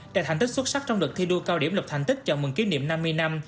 đạt thành tích xuất sắc trong đợt thi đua cao điểm lập thành tích chào mừng kỷ niệm năm mươi năm